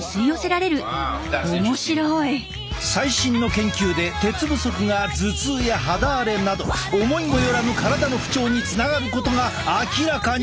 最新の研究で鉄不足が頭痛や肌荒れなど思いも寄らぬ体の不調につながることが明らかに！